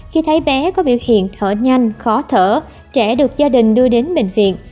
khi thấy bé có biểu hiện thở nhanh khó thở trẻ được gia đình đưa đến bệnh viện